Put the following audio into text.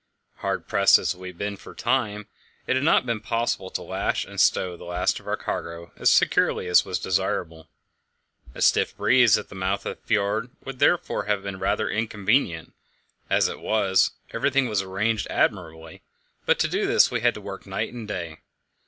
Hard pressed as we had been for time, it had not been possible to lash and stow the last of our cargo as securely as was desirable; a stiff breeze at the mouth of the fjord would therefore have been rather inconvenient. As it was, everything was arranged admirably, but to do this we had to work night and day.